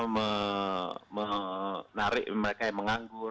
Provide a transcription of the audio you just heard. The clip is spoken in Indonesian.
menarik mereka yang menganggur